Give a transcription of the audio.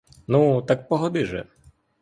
Ну, так погоди же.